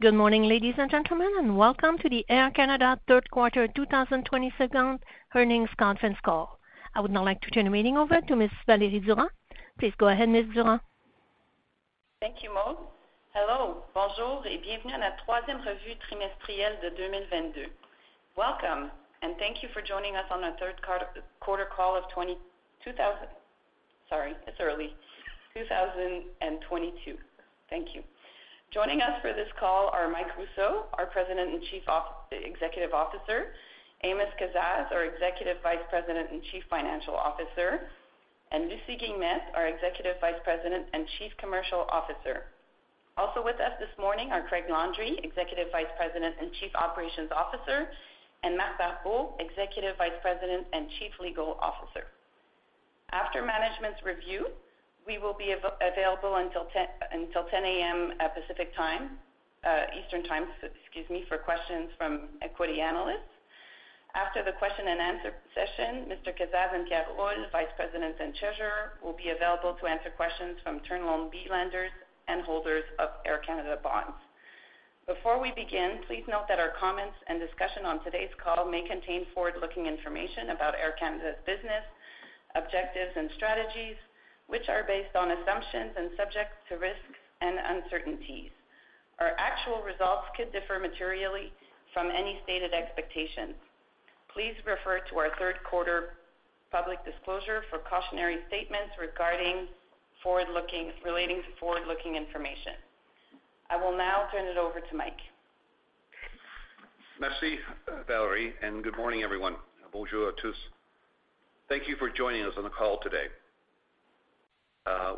Good morning, ladies and gentlemen, and welcome to the Air Canada Q3 2022 earnings conference call. I would now like to turn the meeting over to Ms. Valérie Durand. Please go ahead, Ms. Durand. Thank you, Maude. Hello. Bonjour et bienvenue à la troisième revue trimestrielle de 2022. Welcome, and thank you for joining us on our Q3 call of 2022. Sorry, it's early. Thank you. Joining us for this call are Mike Rousseau, our President and Chief Executive Officer, Amos Kazzaz, our Executive Vice President and Chief Financial Officer, and Lucie Guillemette, our Executive Vice President and Chief Commercial Officer. Also with us this morning are Craig Landry, Executive Vice President and Chief Operations Officer, and Marc Barbeau, Executive Vice President and Chief Legal Officer. After management's review, we will be available until 10:00 A.M. Eastern Time, excuse me, for questions from equity analysts. After the question and answer session, Mr. Kazaz and Pierre Rolland, Vice President and Treasurer, will be available to answer questions from Term Loan B lenders and holders of Air Canada bonds. Before we begin, please note that our comments and discussion on today's call may contain forward-looking information about Air Canada's business, objectives and strategies, which are based on assumptions and subject to risks and uncertainties. Our actual results could differ materially from any stated expectations. Please refer to our Q3 public disclosure for cautionary statements regarding forward-looking information. I will now turn it over to Mike. Merci, Valérie, and good morning, everyone. Bonjour à tous. Thank you for joining us on the call today.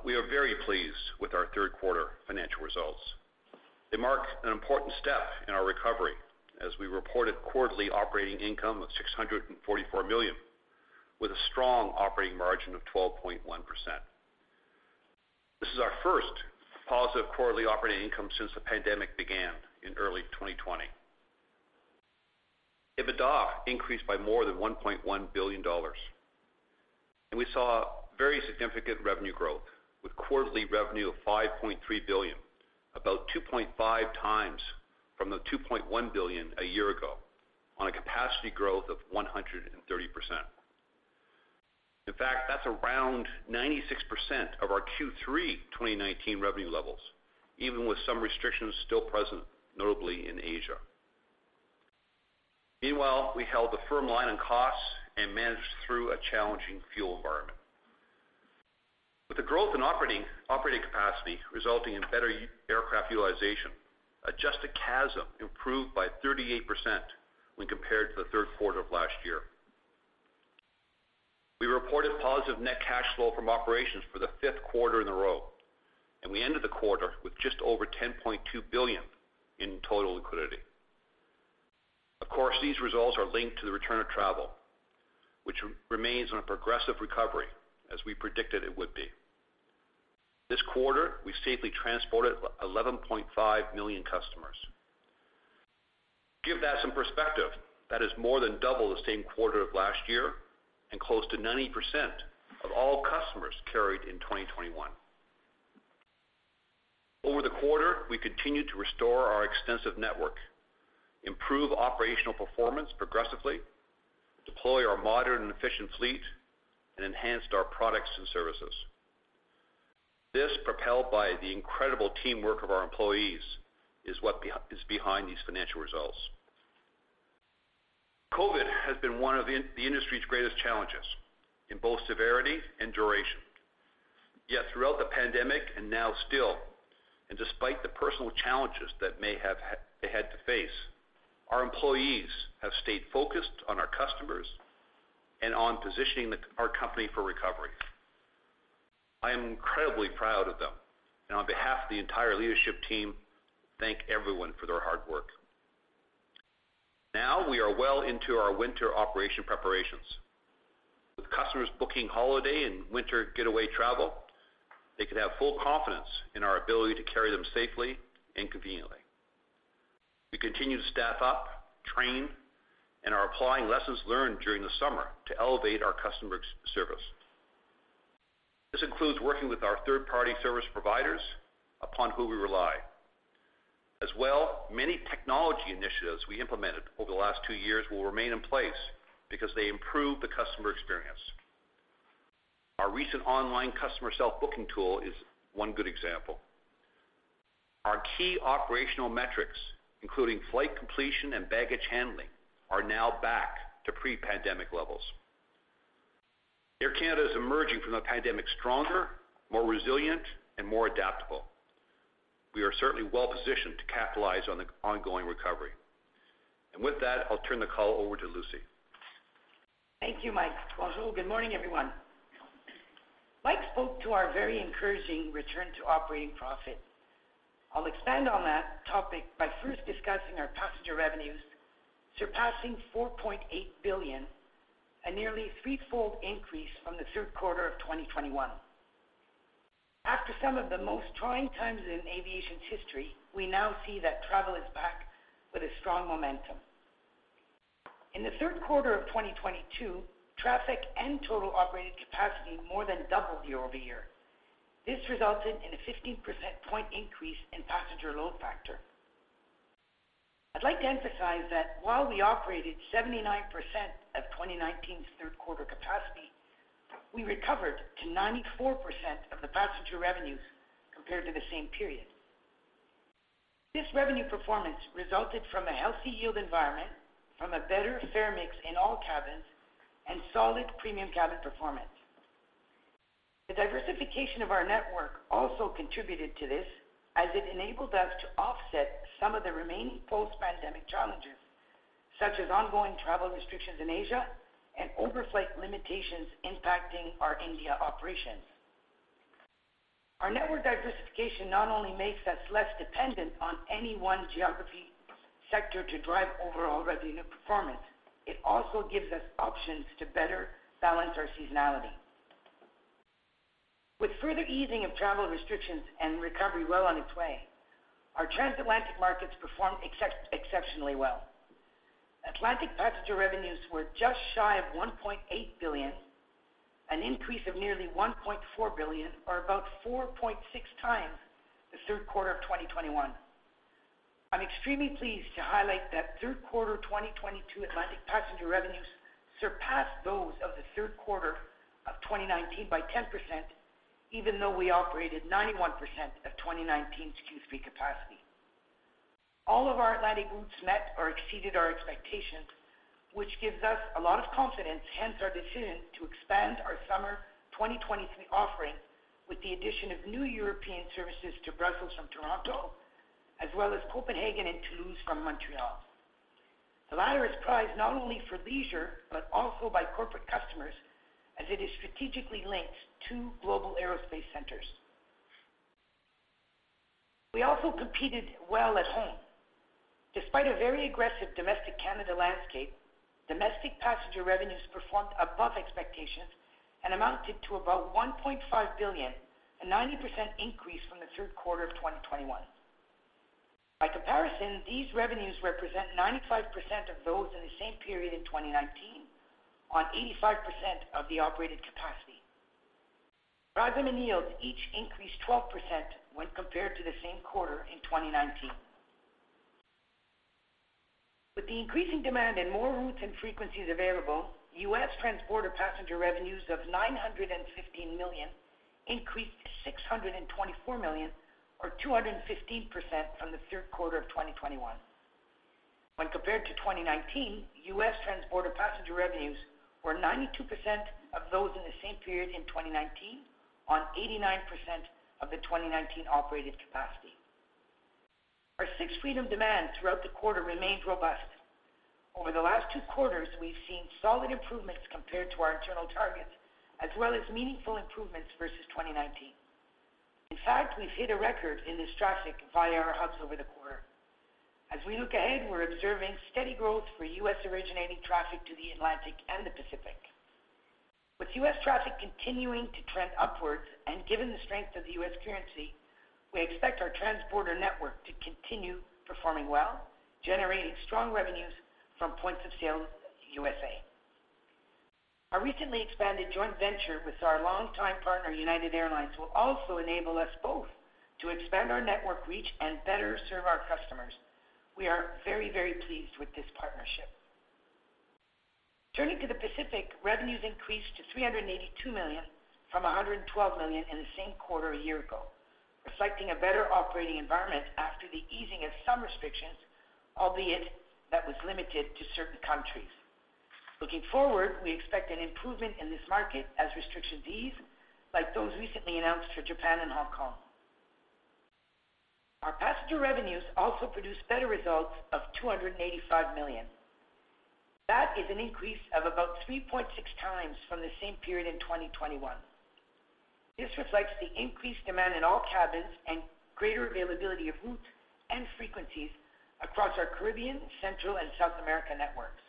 We are very pleased with our Q3 financial results. They mark an important step in our recovery as we reported quarterly operating income of 644 million, with a strong operating margin of 12.1%. This is our first positive quarterly operating income since the pandemic began in early 2020. EBITDA increased by more than 1.1 billion dollars. We saw very significant revenue growth with quarterly revenue of 5.3 billion, about 2.5x from the 2.1 billion a year ago on a capacity growth of 130%. In fact, that's around 96% of our Q3 2019 revenue levels, even with some restrictions still present, notably in Asia. Meanwhile, we held a firm line on costs and managed through a challenging fuel environment. With the growth in operating capacity resulting in better aircraft utilization, Adjusted CASM improved by 38% when compared to the Q3 of last year. We reported positive net cash flow from operations for the fifth quarter in a row, and we ended the quarter with just over 10.2 billion in total liquidity. Of course, these results are linked to the return of travel, which remains on a progressive recovery as we predicted it would be. This quarter, we safely transported 11.5 million customers. To give that some perspective, that is more than double the same quarter of last year and close to 90% of all customers carried in 2021. Over the quarter, we continued to restore our extensive network, improve operational performance progressively, deploy our modern and efficient fleet, and enhanced our products and services. This, propelled by the incredible teamwork of our employees, is what is behind these financial results. COVID has been one of the industry's greatest challenges in both severity and duration. Yet throughout the pandemic and now still, and despite the personal challenges that they had to face, our employees have stayed focused on our customers and on positioning our company for recovery. I am incredibly proud of them, and on behalf of the entire leadership team, thank everyone for their hard work. Now, we are well into our winter operation preparations. With customers booking holiday and winter getaway travel, they can have full confidence in our ability to carry them safely and conveniently. We continue to staff up, train, and are applying lessons learned during the summer to elevate our customer service. This includes working with our third-party service providers upon who we rely. As well, many technology initiatives we implemented over the last two years will remain in place because they improve the customer experience. Our recent online customer self-booking tool is one good example. Our key operational metrics, including flight completion and baggage handling, are now back to pre-pandemic levels. Air Canada is emerging from the pandemic stronger, more resilient and more adaptable. We are certainly well positioned to capitalize on the ongoing recovery. With that, I'll turn the call over to Lucie. Thank you, Mike. Bonjour. Good morning, everyone. Mike spoke to our very encouraging return to operating profit. I'll expand on that topic by first discussing our passenger revenues surpassing 4.8 billion, a nearly threefold increase from the Q3 of 2021. After some of the most trying times in aviation's history, we now see that travel is back with a strong momentum. In the Q3 of 2022, traffic and total operating capacity more than doubled year-over-year. This resulted in a 15 percentage point increase in passenger load factor. I'd like to emphasize that while we operated 79% of 2019's Q3 capacity, we recovered to 94% of the passenger revenues compared to the same period. This revenue performance resulted from a healthy yield environment, from a better fare mix in all cabins, and solid premium cabin performance. The diversification of our network also contributed to this as it enabled us to offset some of the remaining post-pandemic challenges, such as ongoing travel restrictions in Asia and overflight limitations impacting our India operations. Our network diversification not only makes us less dependent on any one geography sector to drive overall revenue performance, it also gives us options to better balance our seasonality. With further easing of travel restrictions and recovery well on its way, our transatlantic markets performed exceptionally well. Atlantic passenger revenues were just shy of 1.8 billion, an increase of nearly 1.4 billion, or about 4.6x the Q3 of 2021. I'm extremely pleased to highlight that Q3 2022 Atlantic passenger revenues surpassed those of the Q3 of 2019 by 10%, even though we operated 91% of 2019's Q3 capacity. All of our Atlantic routes met or exceeded our expectations, which gives us a lot of confidence, hence our decision to expand our summer 2023 offering with the addition of new European services to Brussels from Toronto, as well as Copenhagen and Toulouse from Montreal. The latter is prized not only for leisure, but also by corporate customers as it is strategically linked to global aerospace centers. We also competed well at home. Despite a very aggressive domestic Canada landscape, domestic passenger revenues performed above expectations and amounted to about 1.5 billion, a 90% increase from the Q3 of 2021. By comparison, these revenues represent 95% of those in the same period in 2019 on 85% of the operated capacity. Revenue and yields each increased 12% when compared to the same quarter in 2019. With the increasing demand and more routes and frequencies available, transborder passenger revenues of 915 million increased 624 million, or 215% from the Q3 of 2021. When compared to 2019, transborder passenger revenues were 92% of those in the same period in 2019 on 89% of the 2019 operated capacity. Our Sixth Freedom demand throughout the quarter remained robust. Over the last two quarters, we've seen solid improvements compared to our internal targets, as well as meaningful improvements versus 2019. In fact, we've hit a record in this traffic via our hubs over the quarter. As we look ahead, we're observing steady growth for U.S. originating traffic to the Atlantic and the Pacific. With U.S. traffic continuing to trend upwards and given the strength of the U.S. currency, we expect our transborder network to continue performing well, generating strong revenues from points of sale to USA. Our recently expanded joint venture with our longtime partner, United Airlines, will also enable us both to expand our network reach and better serve our customers. We are very, very pleased with this partnership. Turning to the Pacific, revenues increased to 382 million from 112 million in the same quarter a year ago, reflecting a better operating environment after the easing of some restrictions, albeit that was limited to certain countries. Looking forward, we expect an improvement in this market as restrictions ease, like those recently announced for Japan and Hong Kong. Our passenger revenues also produced better results of 285 million. That is an increase of about 3.6x from the same period in 2021. This reflects the increased demand in all cabins and greater availability of routes and frequencies across our Caribbean, Central, and South America networks.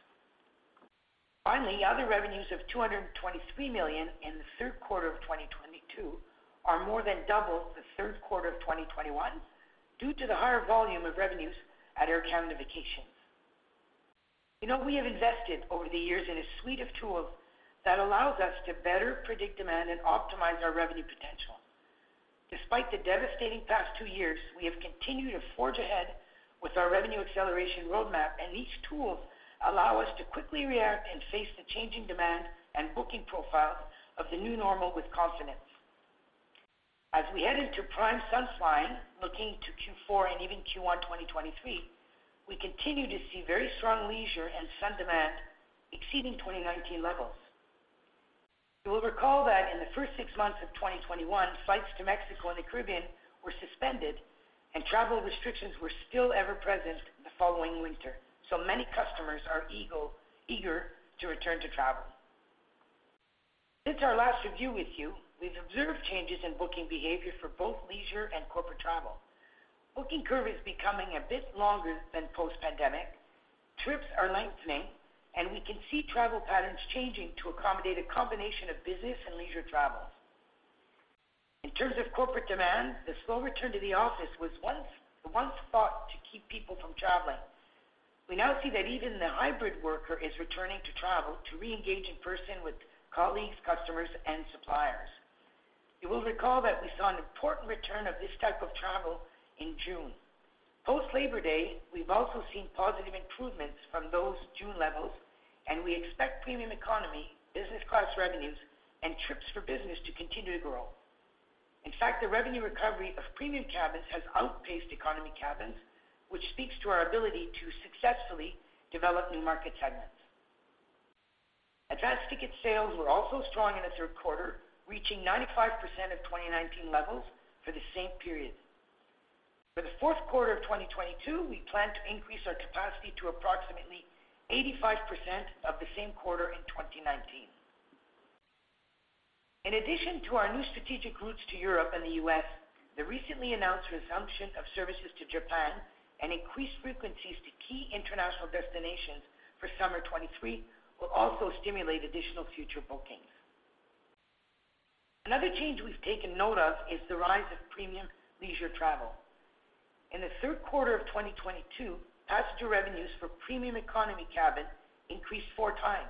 Finally, other revenues of CAD 223 million in the Q3 of 2022 are more than double the Q3 of 2021 due to the higher volume of revenues at Air Canada Vacations. You know, we have invested over the years in a suite of tools that allows us to better predict demand and optimize our revenue potential. Despite the devastating past two years, we have continued to forge ahead with our revenue acceleration roadmap, and these tools allow us to quickly react and face the changing demand and booking profiles of the new normal with confidence. As we head into prime sun flying, looking to Q4 and even Q1 2023, we continue to see very strong leisure and sun demand exceeding 2019 levels. You will recall that in the first six months of 2021, flights to Mexico and the Caribbean were suspended and travel restrictions were still ever present the following winter, so many customers are eager to return to travel. Since our last review with you, we've observed changes in booking behavior for both leisure and corporate travel. Booking curve is becoming a bit longer than post-pandemic. Trips are lengthening, and we can see travel patterns changing to accommodate a combination of business and leisure travel. In terms of corporate demand, the slow return to the office was once thought to keep people from traveling. We now see that even the hybrid worker is returning to travel to re-engage in person with colleagues, customers, and suppliers. You will recall that we saw an important return of this type of travel in June. Post Labor Day, we've also seen positive improvements from those June levels, and we expect premium economy, business class revenues, and trips for business to continue to grow. In fact, the revenue recovery of premium cabins has outpaced economy cabins, which speaks to our ability to successfully develop new market segments. Advanced ticket sales were also strong in the Q3, reaching 95% of 2019 levels for the same period. For the Q4 of 2022, we plan to increase our capacity to approximately 85% of the same quarter in 2019. In addition to our new strategic routes to Europe and the U.S., the recently announced resumption of services to Japan and increased frequencies to key international destinations for summer 2023 will also stimulate additional future bookings. Another change we've taken note of is the rise of premium leisure travel. In the Q3 of 2022, passenger revenues for premium economy cabin increased 4x.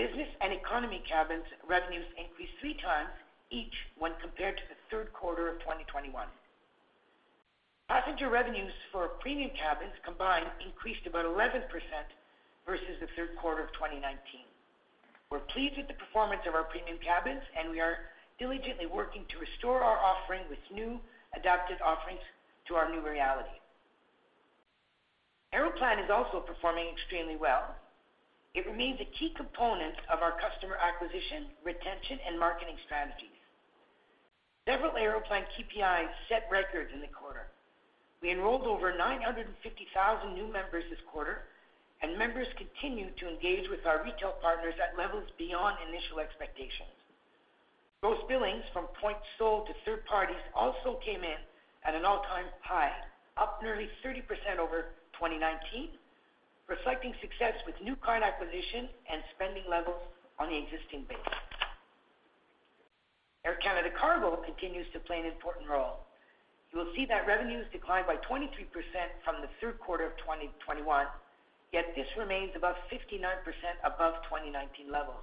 Business and economy cabins revenues increased 3x each when compared to the Q3 of 2021. Passenger revenues for premium cabins combined increased about 11% versus the Q3 of 2019. We're pleased with the performance of our premium cabins, and we are diligently working to restore our offering with new adapted offerings to our new reality. Aeroplan is also performing extremely well. It remains a key component of our customer acquisition, retention, and marketing strategies. Several Aeroplan KPIs set records in the quarter. We enrolled over 950,000 new members this quarter, and members continue to engage with our retail partners at levels beyond initial expectations. Those billings from points sold to third parties also came in at an all-time high, up nearly 30% over 2019, reflecting success with new card acquisition and spending levels on the existing base. Air Canada Cargo continues to play an important role. You will see that revenues declined by 23% from the Q3 of 2021, yet this remains above 59% above 2019 levels.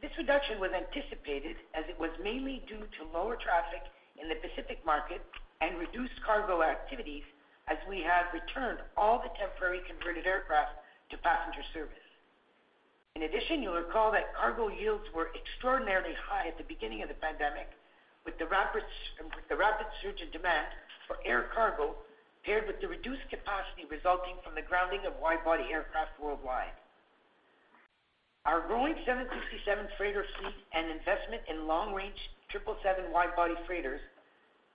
This reduction was anticipated as it was mainly due to lower traffic in the Pacific market and reduced cargo activities as we have returned all the temporary converted aircraft to passenger service. In addition, you'll recall that cargo yields were extraordinarily high at the beginning of the pandemic with the rapid surge in demand for air cargo paired with the reduced capacity resulting from the grounding of wide-body aircraft worldwide. Our growing 757 freighter fleet and investment in long-range 777 wide-body freighters,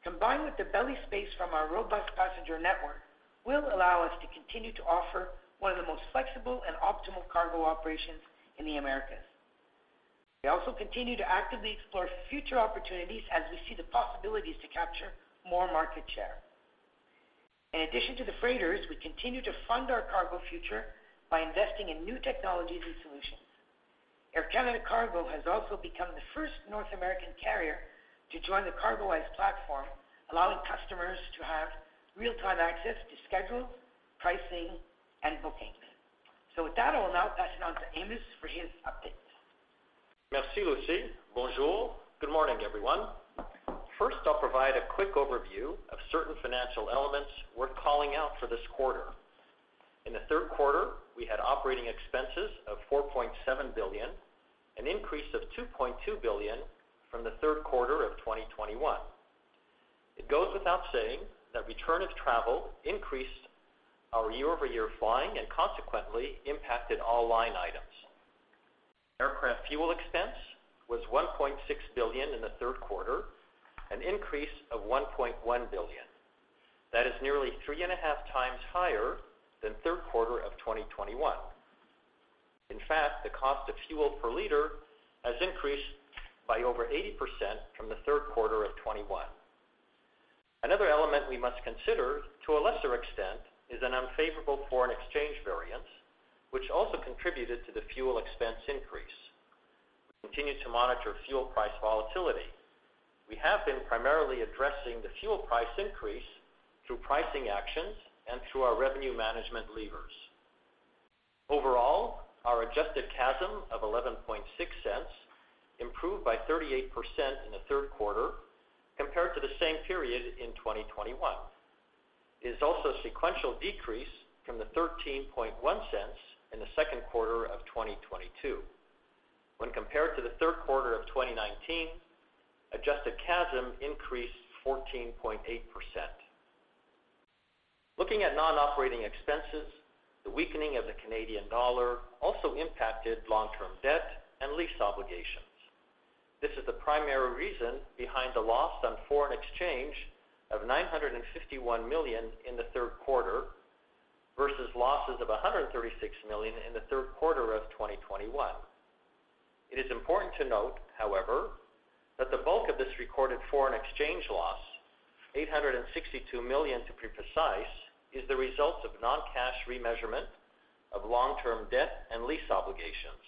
combined with the belly space from our robust passenger network, will allow us to continue to offer one of the most flexible and optimal cargo operations in the Americas. We also continue to actively explore future opportunities as we see the possibilities to capture more market share. In addition to the freighters, we continue to fund our cargo future by investing in new technologies and solutions. Air Canada Cargo has also become the first North American carrier to join the CargoWise platform, allowing customers to have real-time access to schedule, pricing, and bookings. With that, I will now pass it on to Amos for his updates. Merci, Lucie. Bonjour. Good morning, everyone. First, I'll provide a quick overview of certain financial elements worth calling out for this quarter. In the Q3, we had operating expenses of 4.7 billion, an increase of 2.2 billion from the Q3 of 2021. It goes without saying that return of travel increased our year-over-year flying and consequently impacted all line items. Aircraft fuel expense was 1.6 billion in the Q3, an increase of 1.1 billion. That is nearly 3.5x higher than Q3 of 2021. In fact, the cost of fuel per liter has increased by over 80% from the Q3 of 2021. Another element we must consider, to a lesser extent, is an unfavorable foreign exchange variance, which also contributed to the fuel expense increase. Continue to monitor fuel price volatility. We have been primarily addressing the fuel price increase through pricing actions and through our revenue management levers. Overall, our Adjusted CASM of 0.116 improved by 38% in the Q3 compared to the same period in 2021. It is also sequential decrease from the 0.131 in the Q2 of 2022. When compared to the Q3 of 2019, Adjusted CASM increased 14.8%. Looking at non-operating expenses, the weakening of the Canadian dollar also impacted long-term debt and lease obligations. This is the primary reason behind the loss on foreign exchange of 951 million in the Q3 versus losses of 136 million in the Q3 of 2021. It is important to note, however, that the bulk of this recorded foreign exchange loss of 862 million to be precise is the result of non-cash remeasurement of long-term debt and lease obligations.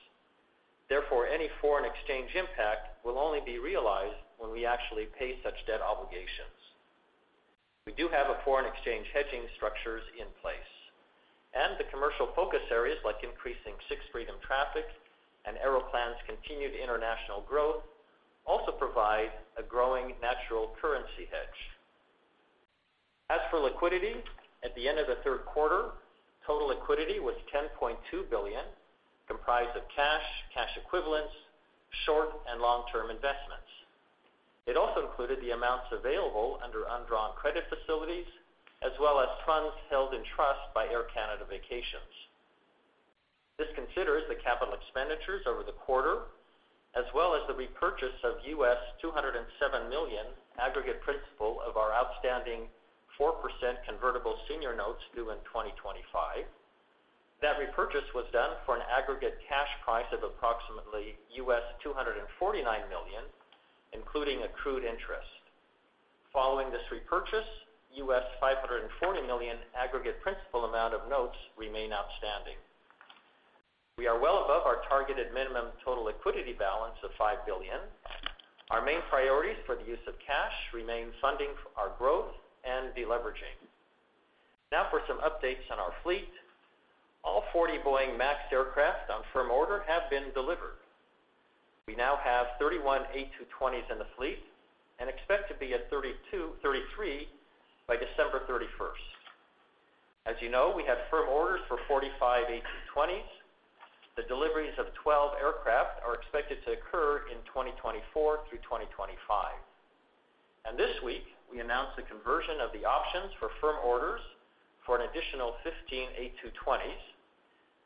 Therefore, any foreign exchange impact will only be realized when we actually pay such debt obligations. We do have a foreign exchange hedging structures in place, and the commercial focus areas like increasing Sixth Freedom traffic and Aeroplan's continued international growth also provide a growing natural currency hedge. As for liquidity, at the end of the Q3, total liquidity was 10.2 billion, comprised of cash equivalents, short and long-term investments. It also included the amounts available under undrawn credit facilities as well as funds held in trust by Air Canada Vacations. This considers the capital expenditures over the quarter, as well as the repurchase of $207 million aggregate principal of our outstanding 4% convertible senior notes due in 2025. That repurchase was done for an aggregate cash price of approximately $249 million, including accrued interest. Following this repurchase, $540 million aggregate principal amount of notes remain outstanding. We are well above our targeted minimum total liquidity balance of 5 billion. Our main priorities for the use of cash remain funding our growth and deleveraging. Now for some updates on our fleet. All 40 Boeing MAX aircraft on firm order have been delivered. We now have 31 A220s in the fleet and expect to be at 32, 33 by December 31. As you know, we have firm orders for 45 A220s. The deliveries of 12 aircraft are expected to occur in 2024 through 2025. This week, we announced the conversion of the options for firm orders for an additional 15 A220s.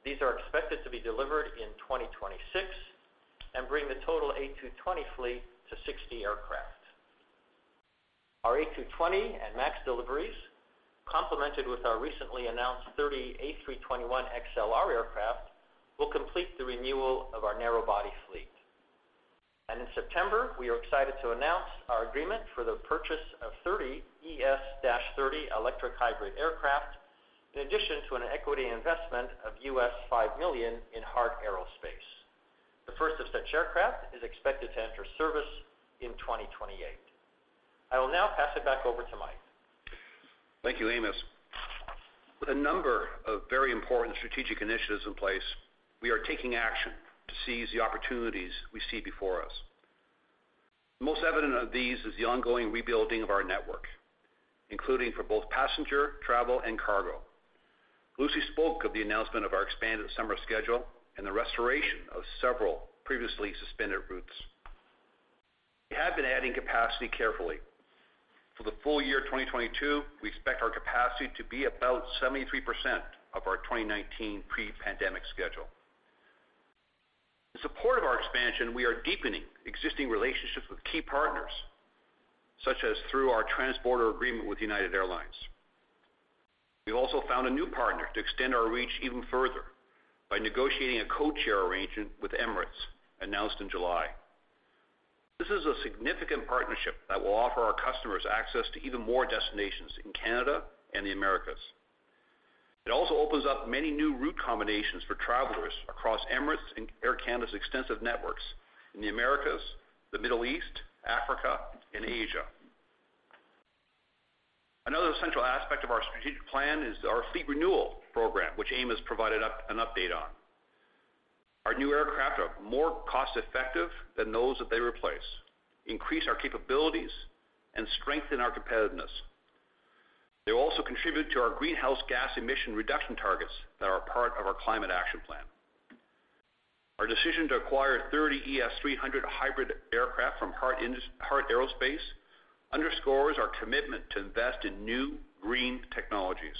These are expected to be delivered in 2026 and bring the total A220 fleet to 60 aircraft. Our A220 and MAX deliveries, complemented with our recently announced 30 A321XLR aircraft, will complete the renewal of our narrow-body fleet. In September, we are excited to announce our agreement for the purchase of 30 ES-30 electric hybrid aircraft, in addition to an equity investment of $5 million in Heart Aerospace. The first of such aircraft is expected to enter service in 2028. I will now pass it back over to Mike. Thank you, Amos. With a number of very important strategic initiatives in place, we are taking action to seize the opportunities we see before us. Most evident of these is the ongoing rebuilding of our network, including for both passenger travel and cargo. Lucie spoke of the announcement of our expanded summer schedule and the restoration of several previously suspended routes. We have been adding capacity carefully. For the full year 2022, we expect our capacity to be about 73% of our 2019 pre-pandemic schedule. In support of our expansion, we are deepening existing relationships with key partners, such as through our transborder agreement with United Airlines. We've also found a new partner to extend our reach even further by negotiating a codeshare arrangement with Emirates announced in July. This is a significant partnership that will offer our customers access to even more destinations in Canada and the Americas. It also opens up many new route combinations for travelers across Emirates and Air Canada's extensive networks in the Americas, the Middle East, Africa and Asia. Another central aspect of our strategic plan is our fleet renewal program, which Amos provided an update on. Our new aircraft are more cost-effective than those that they replace, increase our capabilities, and strengthen our competitiveness. They also contribute to our greenhouse gas emission reduction targets that are part of our Climate Action Plan. Our decision to acquire 30 ES-30 hybrid aircraft from Heart Aerospace underscores our commitment to invest in new green technologies.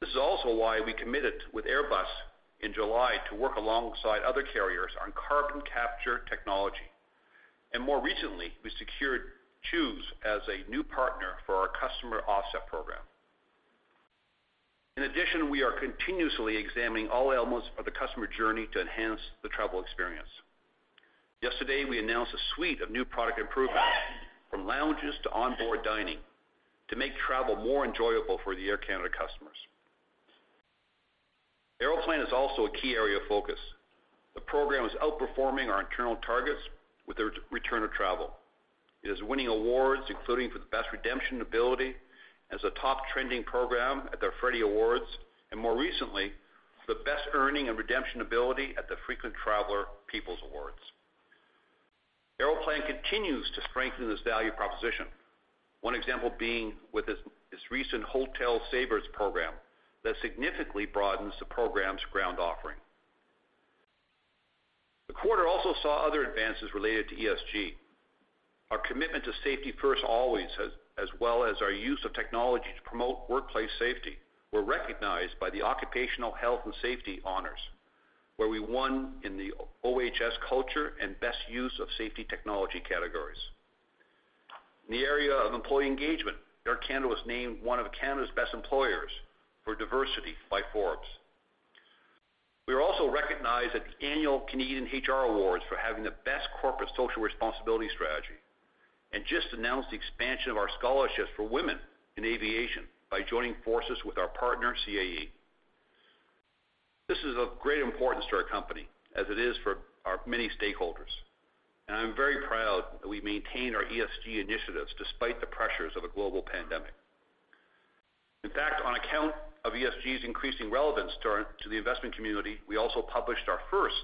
This is also why we committed with Airbus in July to work alongside other carriers on carbon capture technology. More recently, we secured CHOOOSE as a new partner for our carbon offset program. In addition, we are continuously examining all elements of the customer journey to enhance the travel experience. Yesterday, we announced a suite of new product improvements, from lounges to onboard dining, to make travel more enjoyable for the Air Canada customers. Aeroplan is also a key area of focus. The program is outperforming our internal targets with the return of travel. It is winning awards, including for the best redemption ability as a top trending program at the Freddie Awards, and more recently, the best earning and redemption ability at the Frequent Traveler People's Awards. Aeroplan continues to strengthen this value proposition. One example being with this recent HotelSavers program that significantly broadens the program's ground offering. The quarter also saw other advances related to ESG. Our commitment to safety first always, as well as our use of technology to promote workplace safety, were recognized by the OHS Canada Honours, where we won in the OHS culture and best use of safety technology categories. In the area of employee engagement, Air Canada was named one of Canada's best employers for diversity by Forbes. We are also recognized at the annual Canadian HR Awards for having the best corporate social responsibility strategy and just announced the expansion of our scholarships for women in aviation by joining forces with our partner, CAE. This is of great importance to our company as it is for our many stakeholders, and I'm very proud that we maintain our ESG initiatives despite the pressures of a global pandemic. In fact, on account of ESG's increasing relevance to the investment community, we also published our first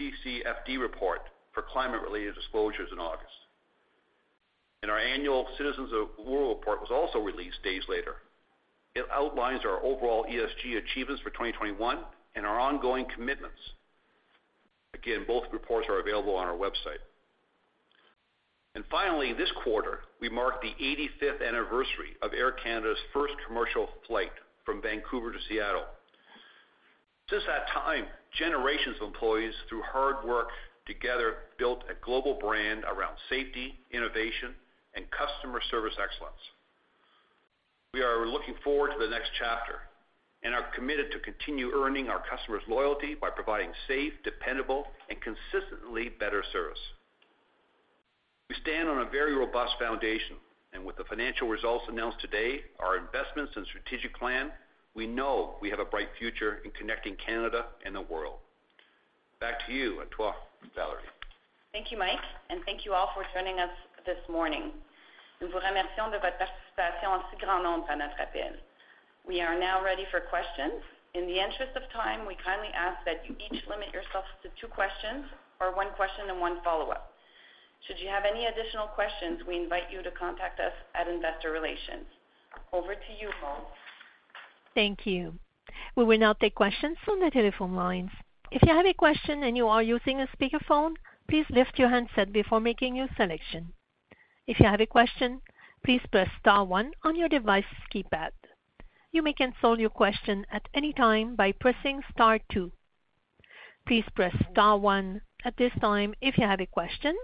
TCFD report for climate-related disclosures in August. Our annual Citizens of the World report was also released days later. It outlines our overall ESG achievements for 2021 and our ongoing commitments. Again, both reports are available on our website. Finally, this quarter, we marked the eighty-fifth anniversary of Air Canada's first commercial flight from Vancouver to Seattle. Since that time, generations of employees, through hard work together, built a global brand around safety, innovation, and customer service excellence. We are looking forward to the next chapter and are committed to continue earning our customers' loyalty by providing safe, dependable, and consistently better service. We stand on a very robust foundation, and with the financial results announced today, our investments and strategic plan, we know we have a bright future in connecting Canada and the world. Back to you, Antoine and Valérie. Thank you, Mike, and thank you all for joining us this morning. We are now ready for questions. In the interest of time, we kindly ask that you each limit yourself to two questions or one question and one follow-up. Should you have any additional questions, we invite you to contact us at Investor Relations. Over to you, Maude. Thank you. We will now take questions from the telephone lines. If you have a question and you are using a speakerphone, please lift your handset before making your selection. If you have a question, please press star one on your device keypad. You may cancel your question at any time by pressing star two. Please press star one at this time if you have a question.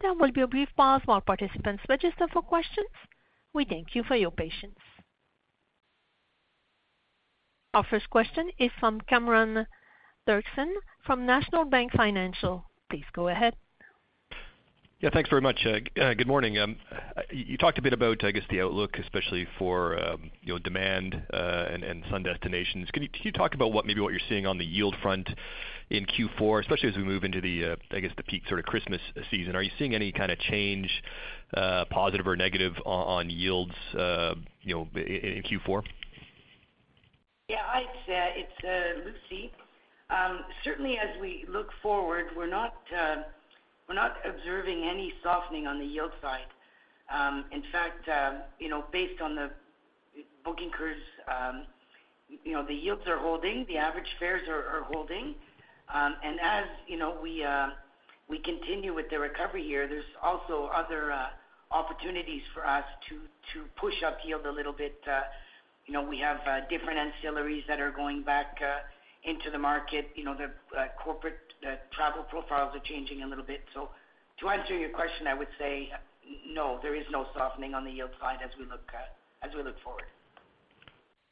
There will be a brief pause while participants register for questions. We thank you for your patience. Our first question is from Cameron Doerksen from National Bank Financial. Please go ahead. Yeah, thanks very much. Good morning. You talked a bit about, I guess, the outlook, especially for, you know, demand, and sun destinations. Can you talk about what maybe you're seeing on the yield front in Q4, especially as we move into the, I guess, the peak sort of Christmas season? Are you seeing any kind of change, positive or negative on yields, you know, in Q4? Yeah, it's Lucie. Certainly as we look forward, we're not observing any softening on the yield side. In fact, you know, based on the booking curves, you know, the yields are holding, the average fares are holding. And as you know, we continue with the recovery here, there's also other opportunities for us to push up yield a little bit. You know, we have different ancillaries that are going back into the market. You know, the corporate travel profiles are changing a little bit. To answer your question, I would say no, there is no softening on the yield side as we look forward.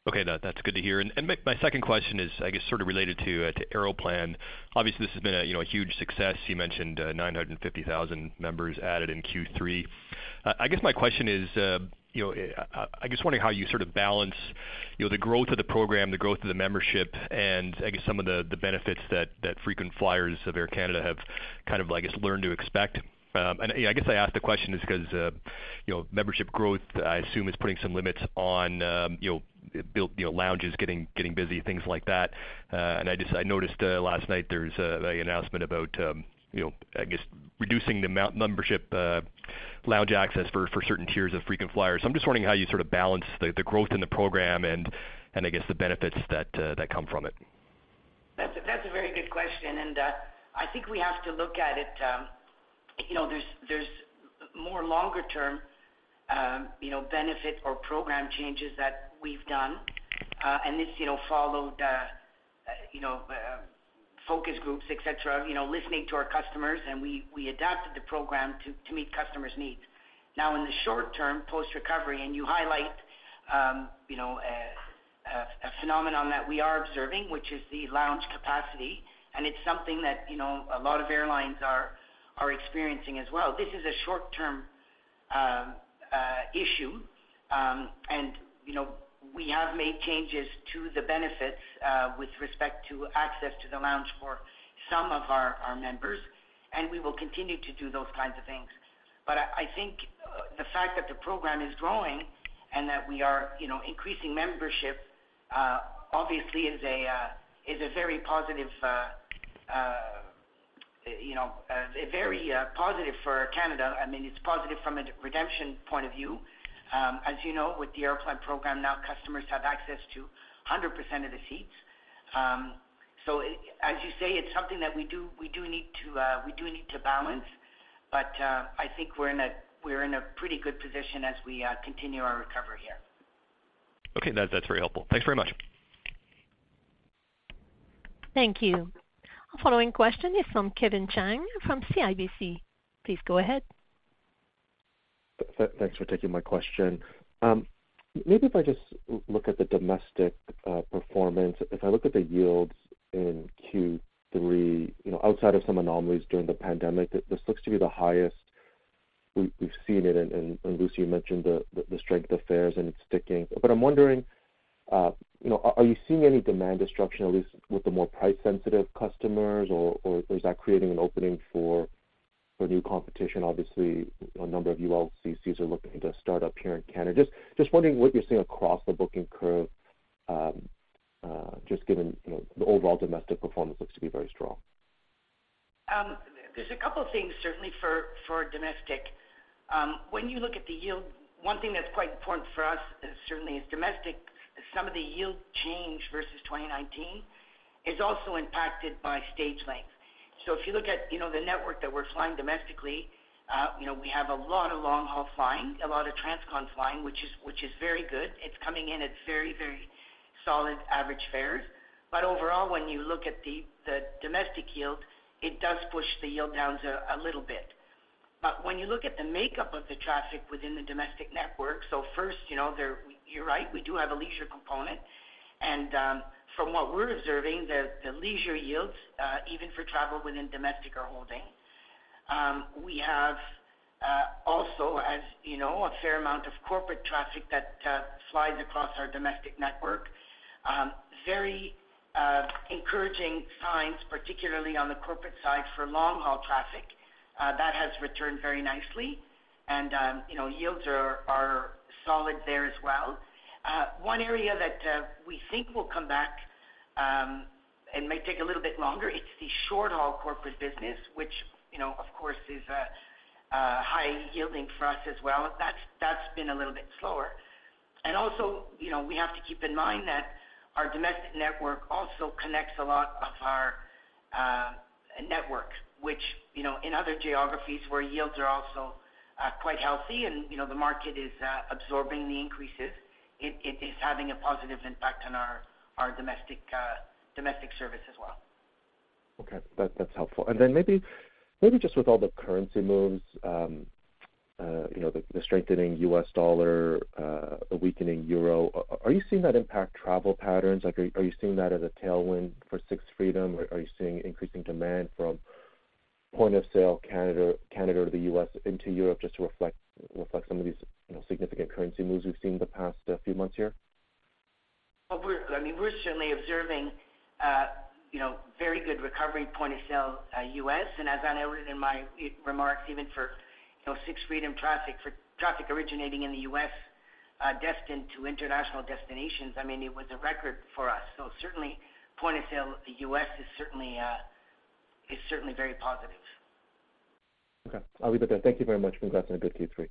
That's good to hear. My second question is, I guess, sort of related to Aeroplan. Obviously, this has been a huge success. You mentioned 950,000 members added in Q3. I guess my question is, you know, I just wondering how you sort of balance, you know, the growth of the program, the growth of the membership, and I guess some of the benefits that frequent flyers of Air Canada have kind of, I guess, learned to expect. You know, I guess I ask the question just because, you know, membership growth, I assume, is putting some limits on, you know, lounges getting busy, things like that. I noticed last night there was the announcement about, you know, I guess, reducing the Aeroplan membership lounge access for certain tiers of frequent flyers. I'm just wondering how you sort of balance the growth in the program and I guess the benefits that come from it. That's a very good question, and I think we have to look at it. You know, there's more longer term you know, benefits or program changes that we've done, and this you know, followed you know, focus groups, et cetera, you know, listening to our customers, and we adapted the program to meet customers' needs. Now, in the short term, post-recovery, and you highlight you know, a phenomenon that we are observing, which is the lounge capacity, and it's something that you know, a lot of airlines are experiencing as well. This is a short-term issue, and you know, we have made changes to the benefits with respect to access to the lounge for some of our members, and we will continue to do those kinds of things. I think the fact that the program is growing and that we are, you know, increasing membership obviously is a very positive, you know, for Air Canada. I mean, it's positive from a redemption point of view. As you know, with the Aeroplan program, now customers have access to 100% of the seats. As you say, it's something that we do need to balance, but I think we're in a pretty good position as we continue our recovery here. Okay. That, that's very helpful. Thanks very much. Thank you. Our following question is from Kevin Chiang from CIBC. Please go ahead. Thanks for taking my question. Maybe if I just look at the domestic performance, if I look at the yields in Q3, you know, outside of some anomalies during the pandemic, this looks to be the highest we've seen it. Lucie, you mentioned the strength of fares, and it's sticking. I'm wondering, you know, are you seeing any demand destruction, at least with the more price sensitive customers, or is that creating an opening for new competition? Obviously, a number of ULCCs are looking to start up here in Canada. Just wondering what you're seeing across the booking curve, just given, you know, the overall domestic performance looks to be very strong. There's a couple things certainly for domestic. When you look at the yield, one thing that's quite important for us certainly is domestic. Some of the yield change versus 2019 is also impacted by stage length. If you look at, you know, the network that we're flying domestically, you know, we have a lot of long haul flying, a lot of transcon flying, which is very good. It's coming in at very, very solid average fares. Overall, when you look at the domestic yield, it does push the yield down a little bit. When you look at the makeup of the traffic within the domestic network, first, you know, you're right, we do have a leisure component, and from what we're observing, the leisure yields even for travel within domestic are holding. We have also, as you know, a fair amount of corporate traffic that flies across our domestic network. Very encouraging signs, particularly on the corporate side for long haul traffic, that has returned very nicely. You know, yields are solid there as well. One area that we think will come back and may take a little bit longer. It's the short haul corporate business, which, you know, of course is high yielding for us as well. That's been a little bit slower. You know, we have to keep in mind that our domestic network also connects a lot of our network, which, you know, in other geographies where yields are also quite healthy and, you know, the market is absorbing the increases, it is having a positive impact on our domestic service as well. Okay. That's helpful. Then maybe just with all the currency moves, you know, the strenthening U.S. dollar, the weakening euro, are you seeing that impact travel patterns? Like are you seeing that as a tailwind for Sixth Freedom, or are you seeing increasing demand from point of sale Canada to the U.S. into Europe just to reflect some of these, you know, significant currency moves we've seen the past few months here? Well, I mean, we're certainly observing, you know, very good recovery point of sale, U.S. As I noted in my remarks, even for, you know, Sixth Freedom traffic, for traffic originating in the U.S., destined to international destinations, I mean, it was a record for us. Certainly point of sale, the U.S. is certainly very positive. Okay. I'll leave it there. Thank you very much. Congrats on a good Q3.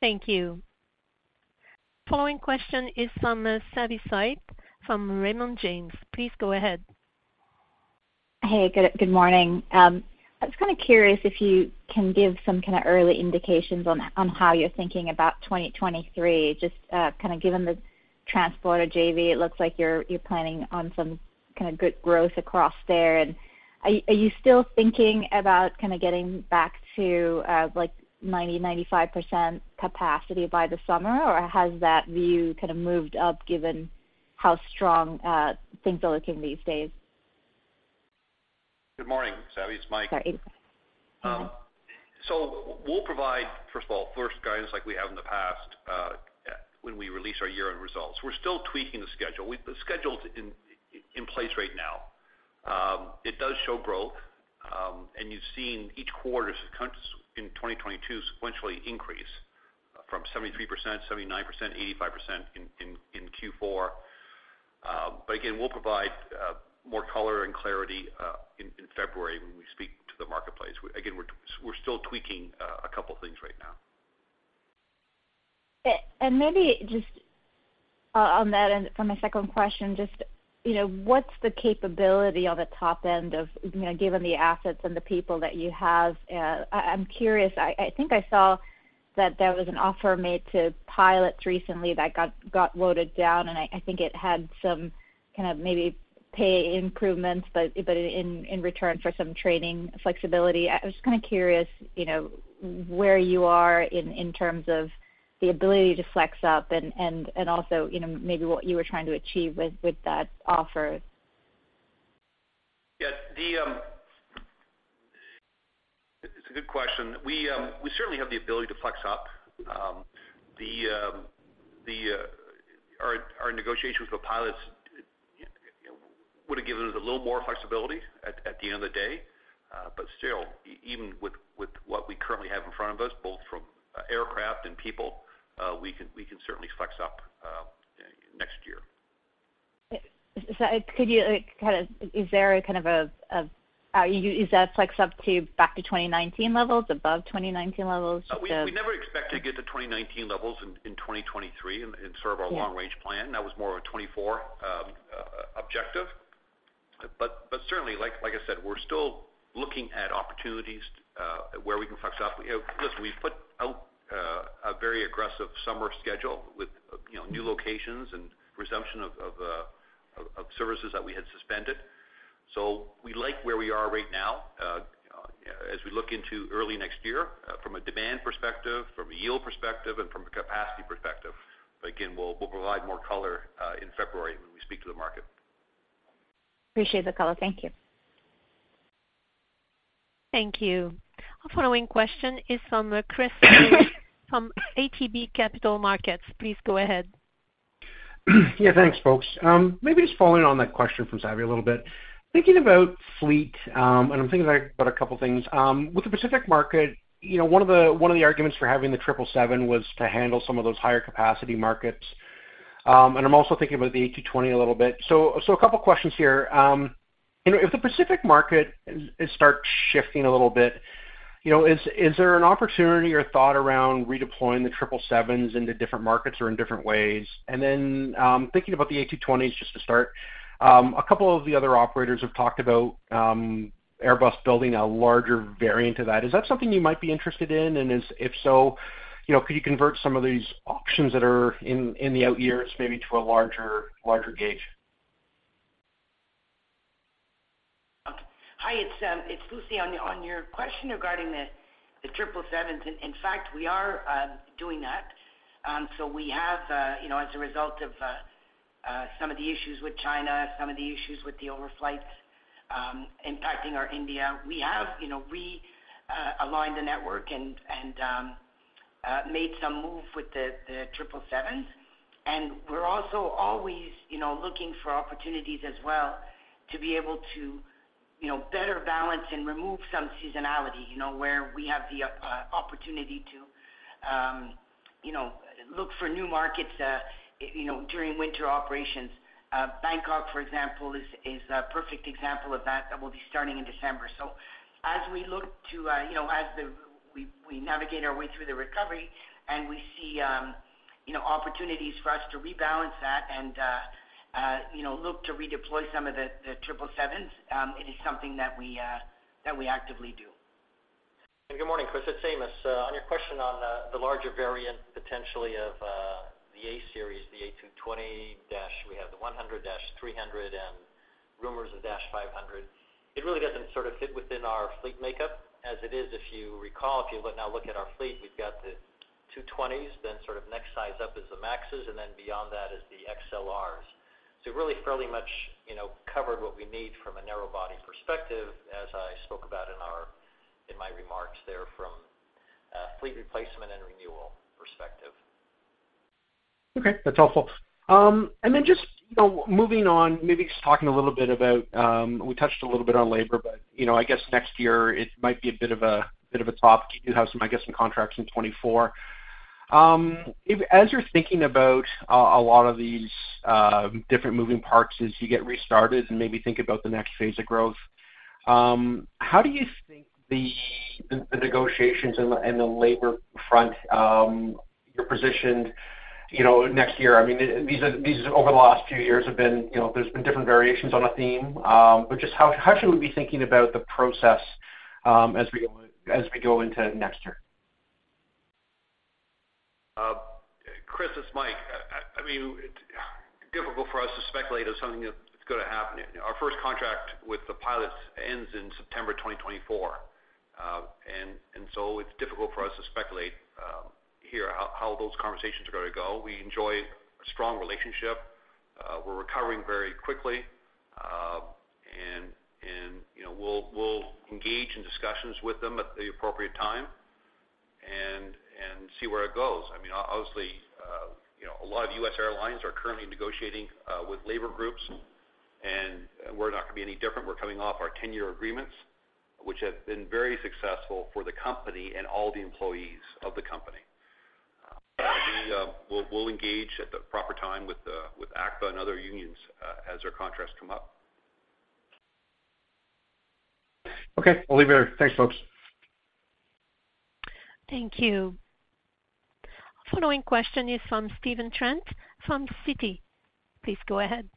Thank you. Following question is from Savanthi Syth from Raymond James. Please go ahead. Hey, good morning. I was kind of curious if you can give some kind of early indications on how you're thinking about 2023. Just kind of given the Transporter JV, it looks like you're planning on some kind of good growth across there. Are you still thinking about kind of getting back to like 90%-95% capacity by the summer, or has that view kind of moved up given how strong things are looking these days? Good morning, Savi, it's Mike. Sorry. We'll provide, first of all, first guidance like we have in the past, when we release our year-end results. We're still tweaking the schedule. The schedule's in place right now. It does show growth, and you've seen each quarter successively in 2022 sequentially increase from 73%, 79%, 85% in Q4. Again, we'll provide more color and clarity in February when we speak to the marketplace. Again, we're still tweaking a couple things right now. Maybe just on that and for my second question, just, you know, what's the capability on the top end of, you know, given the assets and the people that you have? I'm curious. I think I saw that there was an offer made to pilots recently that got voted down, and I think it had some kind of maybe pay improvements, but in return for some training flexibility. I was just kind of curious, you know, where you are in terms of the ability to flex up and also, you know, maybe what you were trying to achieve with that offer. Yeah. It's a good question. We certainly have the ability to flex up. Our negotiations with pilots, you know, would have given us a little more flexibility at the end of the day. Still, even with what we currently have in front of us, both from aircraft and people, we can certainly flex up next year. Could you like, kind of, is that flex up to back to 2019 levels, above 2019 levels? We never expect to get to 2019 levels in 2023 in sort of our long range plan. That was more of a 2024 objective. Certainly, like I said, we're still looking at opportunities where we can flex up. You know, listen, we've put out a very aggressive summer schedule with, you know, new locations and resumption of services that we had suspended. We like where we are right now, as we look into early next year, from a demand perspective, from a yield perspective, and from a capacity perspective. Again, we'll provide more color, in February when we speak to the market. Appreciate the color. Thank you. Thank you. Our following question is from Chris from ATB Capital Markets. Please go ahead. Yeah, thanks folks. Maybe just following on that question from Savi Syth a little bit. Thinking about fleet, and I'm thinking about a couple of things. With the Pacific market, you know, one of the arguments for having the 777 was to handle some of those higher capacity markets. I'm also thinking about the A220 a little bit. A couple of questions here. You know, if the Pacific market is starting to shift a little bit, you know, is there an opportunity or thought around redeploying the 777s into different markets or in different ways? Then, thinking about the A220s just to start, a couple of the other operators have talked about Airbus building a larger variant of that. Is that something you might be interested in? If so, you know, could you convert some of these options that are in the out years maybe to a larger gauge? Okay. Hi, it's Lucie. On your question regarding the 777s, in fact, we are doing that. We have you know, as a result of some of the issues with China, some of the issues with the overflights impacting our India, we have you know, realigned the network and made some move with the 777s. We're also always you know, looking for opportunities as well to be able to you know, better balance and remove some seasonality you know, where we have the opportunity to you know, look for new markets you know, during winter operations. Bangkok, for example, is a perfect example of that that will be starting in December. As we look to, you know, we navigate our way through the recovery and we see, you know, opportunities for us to rebalance that and, you know, look to redeploy some of the 777s, it is something that we actively do. Good morning, Chris. It's Amos. On your question on the larger variant potentially of the A series, the A220 dash, we have the 100 dash 300 and rumors of dash 500. It really doesn't sort of fit within our fleet makeup as it is. If you recall, now look at our fleet, we've got the 220s, then sort of next size up is the MAXs, and then beyond that is the XLRs. Really fairly much, you know, covered what we need from a narrow body perspective, as I spoke about in my remarks there from a fleet replacement and renewal perspective. Okay. That's helpful. You know, moving on, maybe just talking a little bit about, we touched a little bit on labor. You know, I guess next year it might be a bit of a topic. You have some contracts in 2024. As you're thinking about a lot of these different moving parts as you get restarted and maybe think about the next phase of growth, how do you think the negotiations in the labor front you're positioned, you know, next year? I mean, these over the last few years have been, you know, there's been different variations on a theme. Just how should we be thinking about the process as we go into next year? Chris, it's Mike. I mean, it's difficult for us to speculate as something that's gonna happen. Our first contract with the pilots ends in September 2024. It's difficult for us to speculate here how those conversations are gonna go. We enjoy a strong relationship. We're recovering very quickly. You know, we'll engage in discussions with them at the appropriate time and see where it goes. I mean, obviously, you know, a lot of U.S. airlines are currently negotiating with labor groups, and we're not gonna be any different. We're coming off our 10-year agreements, which have been very successful for the company and all the employees of the company. We'll engage at the proper time with ALPA and other unions as their contracts come up. Okay. I'll leave it there. Thanks, folks. Thank you. The following question is from Stephen Trent from Citi. Please go ahead.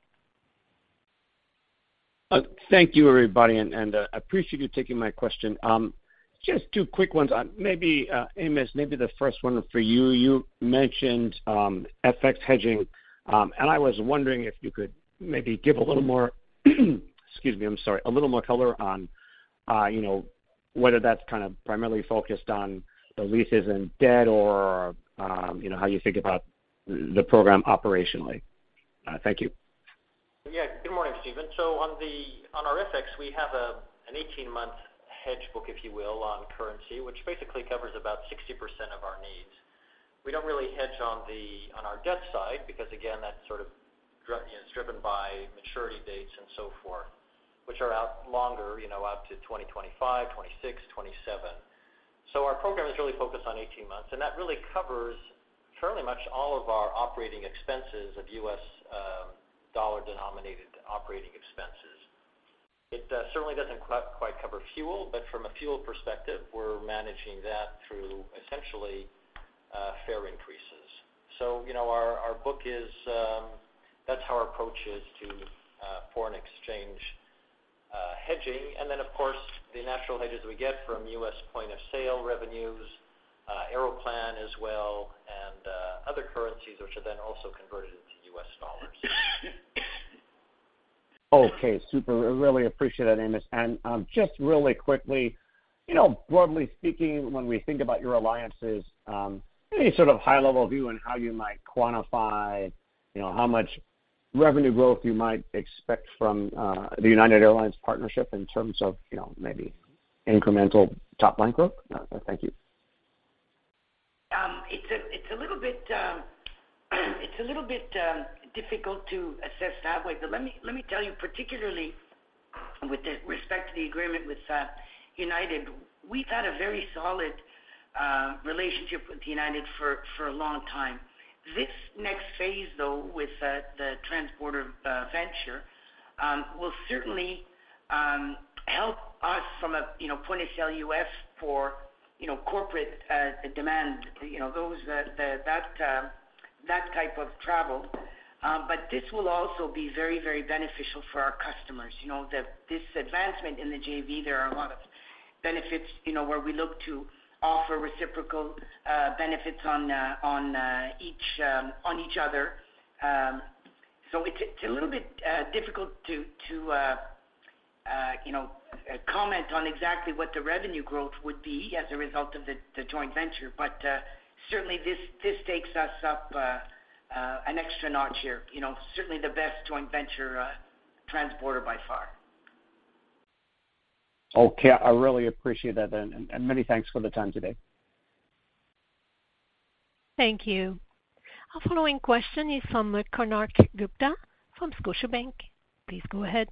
Thank you, everybody, and I appreciate you taking my question. Just two quick ones. Maybe Amos, maybe the first one for you. You mentioned FX hedging, and I was wondering if you could maybe give a little more color on, you know, whether that's kind of primarily focused on the leases and debt or, you know, how you think about the program operationally. Thank you. Yeah. Good morning, Steven. On our FX, we have an 18-month hedge book, if you will, on currency, which basically covers about 60% of our needs. We don't really hedge on our debt side because again, that's sort of driven by maturity dates and so forth, which are out longer, you know, out to 2025, 2026, 2027. Our program is really focused on 18 months, and that really covers fairly much all of our operating expenses of U.S. dollar-denominated operating expenses. It certainly doesn't quite cover fuel, but from a fuel perspective, we're managing that through essentially fare increases. You know, our book is. That's how our approach is to foreign exchange hedging. Of course, the natural hedges we get from U.S. point of sale revenues, Aeroplan as well, and other currencies which are then also converted into U.S. dollars. Okay, super. I really appreciate that, Amos. Just really quickly, you know, broadly speaking, when we think about your alliances, any sort of high-level view on how you might quantify, you know, how much revenue growth you might expect from the United Airlines partnership in terms of, you know, maybe incremental top-line growth? Thank you. It's a little bit difficult to assess that way. Let me tell you particularly with respect to the agreement with United. We've had a very solid relationship with United for a long time. This next phase, though, with the transborder venture, will certainly help us from a, you know, point of sale U.S. for, you know, corporate demand, you know, that type of travel. This will also be very, very beneficial for our customers. You know, this advancement in the JV, there are a lot of benefits, you know, where we look to offer reciprocal benefits on each other. It's a little bit difficult to, you know, comment on exactly what the revenue growth would be as a result of the joint venture. Certainly this takes us up an extra notch here. You know, certainly the best joint venture transborder by far. Okay. I really appreciate that then, and many thanks for the time today. Thank you. Our following question is from Konark Gupta from Scotiabank. Please go ahead.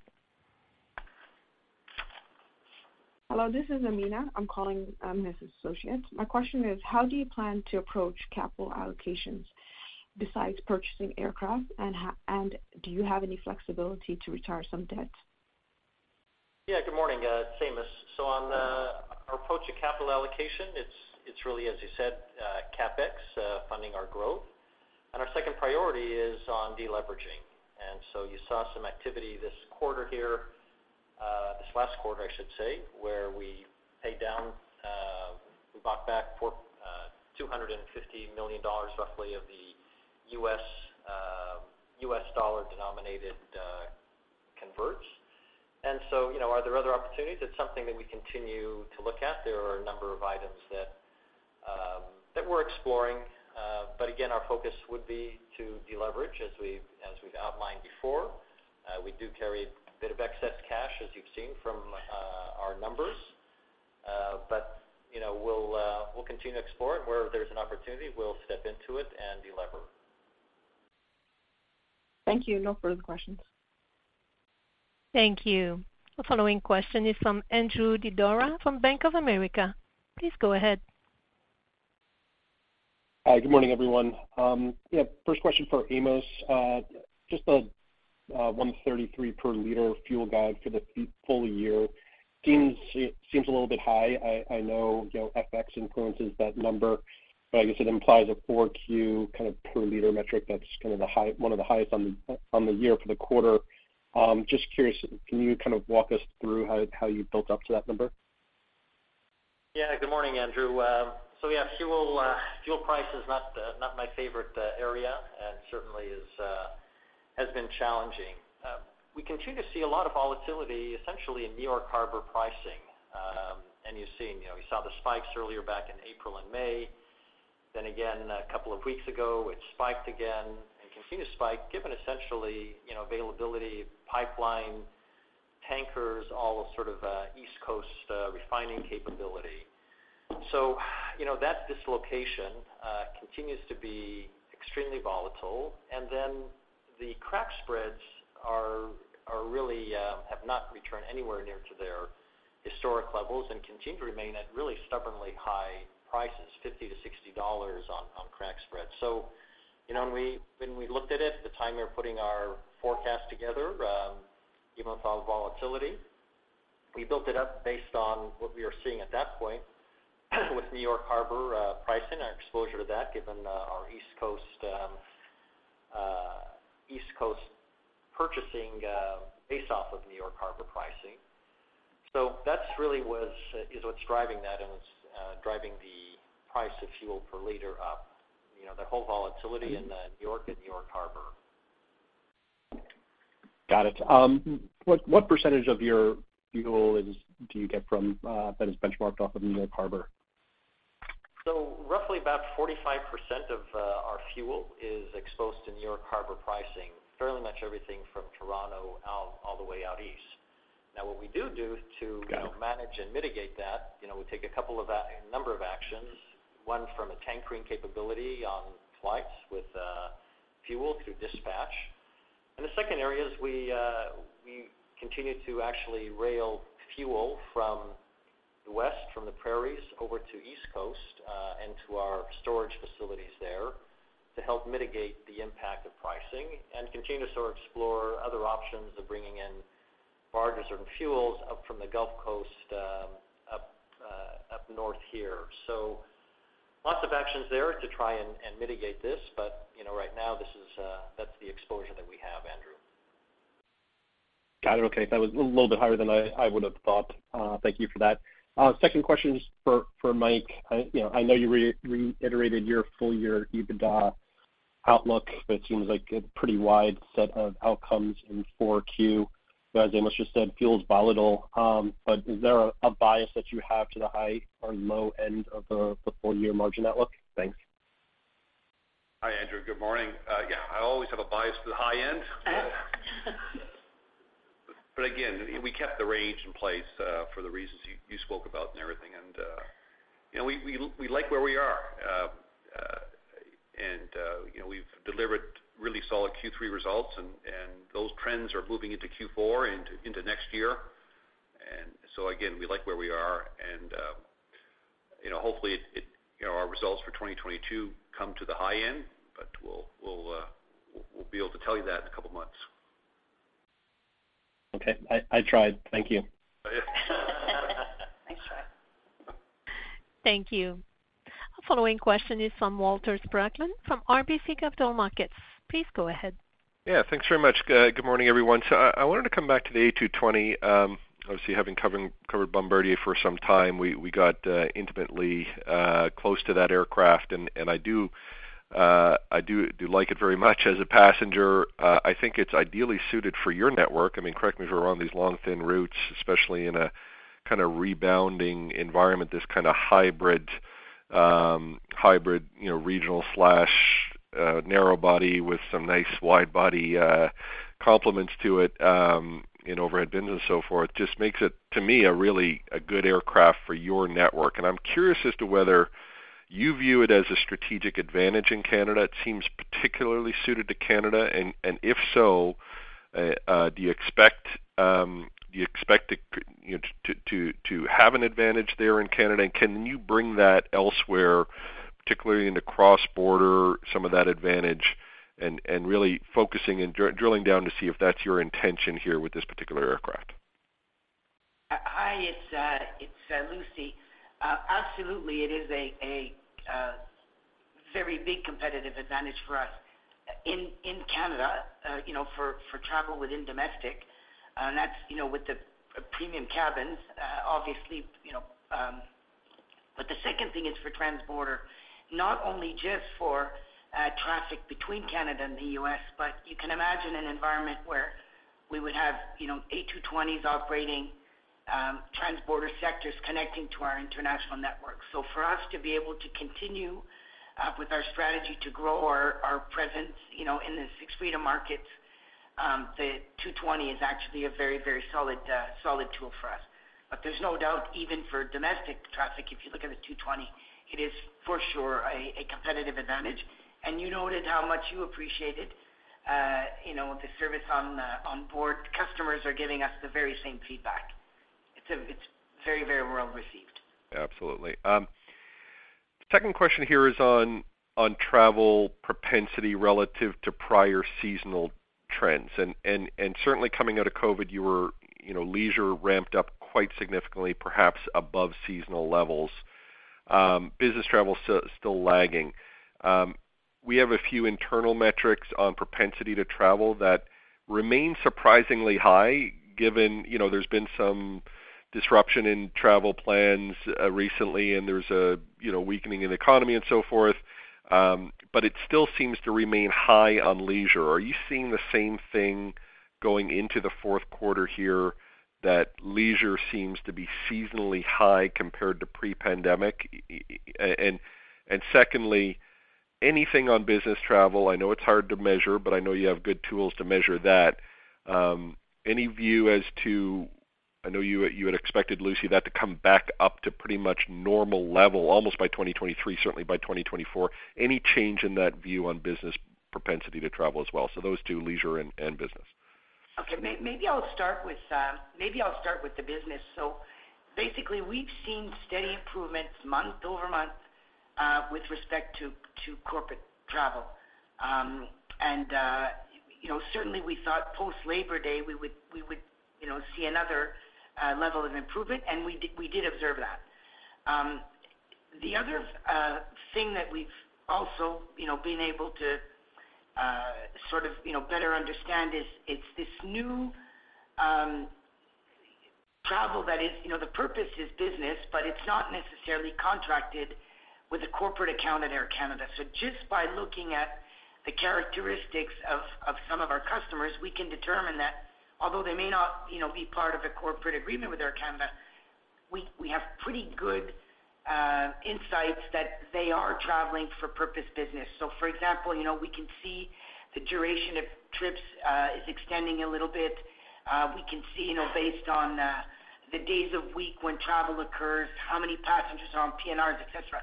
Hello, this is Amina. I'm calling, Amos Associates. My question is: How do you plan to approach capital allocations besides purchasing aircraft? Do you have any flexibility to retire some debt? Yeah. Good morning. It's Amos. On our approach to capital allocation, it's really, as you said, CapEx funding our growth. Our second priority is on deleveraging. You saw some activity this quarter here, this last quarter, I should say, where we paid down, we bought back $250 million roughly of the U.S. dollar-denominated converts. You know, are there other opportunities? It's something that we continue to look at. There are a number of items that we're exploring. Again, our focus would be to deleverage as we've outlined before. We do carry a bit of excess cash, as you've seen from our numbers. You know, we'll continue to explore it. Where there's an opportunity, we'll step into it and delever. Thank you. No further questions. Thank you. The following question is from Andrew Didora from Bank of America. Please go ahead. Hi. Good morning, everyone. First question for Amos. Just the 1.33 per liter fuel guide for the full year seems a little bit high. I know FX influences that number, but I guess it implies a Q4 kind of per liter metric that's kind of one of the highest on the year for the quarter. Just curious, can you kind of walk us through how you built up to that number? Yeah. Good morning, Andrew. Fuel price is not my favorite area and certainly has been challenging. We continue to see a lot of volatility essentially in New York Harbor pricing. You've seen, you know, you saw the spikes earlier back in April and May. Again a couple of weeks ago, it spiked again and continue to spike given essentially, you know, availability of pipeline tankers, all sort of East Coast refining capability. You know, that dislocation continues to be extremely volatile. Then the crack spreads are really have not returned anywhere near to their historic levels and continue to remain at really stubbornly high prices, $50-$60 on crack spreads. You know, when we looked at it at the time we were putting our forecast together, given all the volatility, we built it up based on what we were seeing at that point with New York Harbor pricing, our exposure to that given our East Coast purchasing based off of New York Harbor pricing. That's really is what's driving that and what's driving the price of fuel per liter up, you know, the whole volatility in the New York and New York Harbor. Got it. What percentage of your fuel is, do you get from, that is benchmarked off of New York Harbor? Roughly about 45% of our fuel is exposed to New York Harbor pricing, fairly much everything from Toronto out, all the way out east. Now, what we do to- Got it. You know, manage and mitigate that, you know, we take a number of actions. One, from a tankering capability on flights with fuel through dispatch. The second area is we continue to actually rail fuel from the west, from the Prairies over to East Coast, and to our storage facilities there to help mitigate the impact of pricing and continue to sort of explore other options of bringing in barges or fuels up from the Gulf Coast, up north here. Lots of actions there to try and mitigate this. You know, right now this is, that's the exposure that we have, Andrew. Got it. Okay. That was a little bit higher than I would have thought. Thank you for that. Second question is for Mike. You know, I know you reiterated your full year EBITDA outlook. That seems like a pretty wide set of outcomes in Q4. As Amos just said, fuel is volatile. Is there a bias that you have to the high or low end of the full year margin outlook? Thanks. Hi, Andrew. Good morning. I always have a bias to the high end. Again, we kept the range in place for the reasons you spoke about and everything. You know, we like where we are. You know, we've delivered really solid Q3 results and those trends are moving into Q4 and into next year. Again, we like where we are. You know, hopefully it you know our results for 2022 come to the high end, but we'll be able to tell you that in a couple of months. Okay. I tried. Thank you. Oh, yeah. Nice try. Thank you. Our following question is from Walter Spracklin from RBC Capital Markets. Please go ahead. Yeah, thanks very much. Good morning, everyone. I wanted to come back to the A220. Obviously, having covered Bombardier for some time, we got intimately close to that aircraft. I do like it very much as a passenger. I think it's ideally suited for your network. I mean, correct me if I'm wrong, these long, thin routes, especially in a kinda rebounding environment, this kinda hybrid, you know, regional slash narrow body with some nice wide body complements to it, you know, overhead bins and so forth, just makes it, to me, a really good aircraft for your network. I'm curious as to whether you view it as a strategic advantage in Canada. It seems particularly suited to Canada. If so, do you expect it, you know, to have an advantage there in Canada? Can you bring that elsewhere, particularly in the transborder, some of that advantage, and really focusing and drilling down to see if that's your intention here with this particular aircraft? Hi, it's Lucie. Absolutely. It is a very big competitive advantage for us in Canada, you know, for travel within domestic. That's, you know, with the premium cabins, obviously, you know. The second thing is for transborder, not only just for traffic between Canada and the U.S., but you can imagine an environment where we would have, you know, A220s operating transborder sectors connecting to our international network. For us to be able to continue with our strategy to grow our presence, you know, in the Sixth Freedom markets, the A220 is actually a very solid tool for us. There's no doubt, even for domestic traffic, if you look at the A220, it is for sure a competitive advantage. You noted how much you appreciate it. You know, the service on board, customers are giving us the very same feedback. It's very, very well received. Absolutely. Second question here is on travel propensity relative to prior seasonal trends. Certainly coming out of COVID, you were, you know, leisure ramped up quite significantly, perhaps above seasonal levels. Business travel still lagging. We have a few internal metrics on propensity to travel that remain surprisingly high given, you know, there's been some disruption in travel plans recently and there's a, you know, weakening in economy and so forth. It still seems to remain high on leisure. Are you seeing the same thing going into the Q4 here that leisure seems to be seasonally high compared to pre-pandemic? Secondly, anything on business travel? I know it's hard to measure, but I know you have good tools to measure that. Any view as to. I know you had expected, Lucie, that to come back up to pretty much normal level almost by 2023, certainly by 2024. Any change in that view on business propensity to travel as well? Those two, leisure and business. Okay. Maybe I'll start with the business. Basically we've seen steady improvements month-over-month with respect to corporate travel. You know, certainly we thought post Labor Day we would see another level of improvement, and we did observe that. The other thing that we've also, you know, been able to sort of, you know, better understand is it's this new travel that is, you know, the purpose is business, but it's not necessarily contracted with a corporate account at Air Canada. Just by looking at the characteristics of some of our customers, we can determine that although they may not, you know, be part of a corporate agreement with Air Canada, we have pretty good insights that they are traveling for purpose business. For example, you know, we can see the duration of trips is extending a little bit. We can see, you know, based on the days of week when travel occurs, how many passengers are on PNRs, et cetera.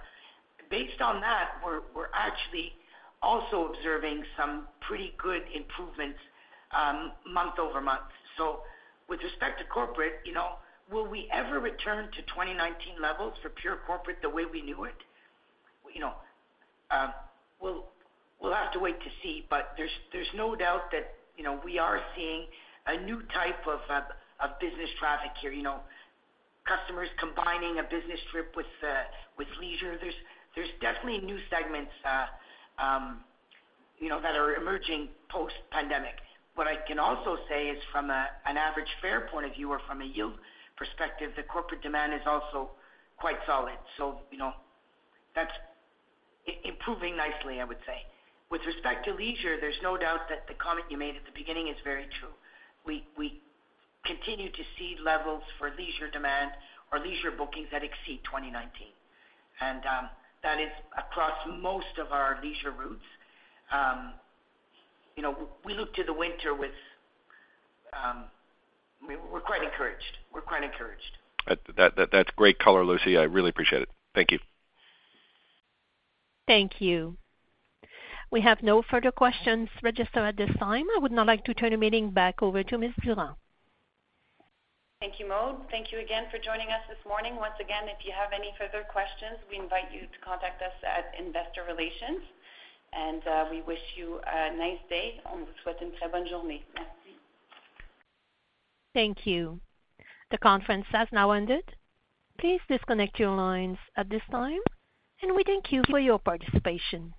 Based on that, we're actually also observing some pretty good improvements month-over-month. With respect to corporate, you know, will we ever return to 2019 levels for pure corporate the way we knew it? You know, we'll have to wait to see, but there's no doubt that, you know, we are seeing a new type of business traffic here. You know, customers combining a business trip with leisure. There's definitely new segments, you know, that are emerging post-pandemic. What I can also say is from an average fare point of view or from a yield perspective, the corporate demand is also quite solid. You know, that's improving nicely, I would say. With respect to leisure, there's no doubt that the comment you made at the beginning is very true. We continue to see levels for leisure demand or leisure bookings that exceed 2019. That is across most of our leisure routes. You know, we look to the winter. We're quite encouraged. That's great color, Lucie. I really appreciate it. Thank you. Thank you. We have no further questions registered at this time. I would now like to turn the meeting back over to Ms. Durand. Thank you, Maude. Thank you again for joining us this morning. Once again, if you have any further questions, we invite you to contact us at investor relations, and we wish you a nice day. Thank you. The conference has now ended. Please disconnect your lines at this time, and we thank you for your participation.